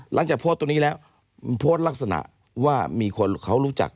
หลังจากโพสต์ตรงนี้แล้วโพสต์ลักษณะว่ามีคนเขารู้จัก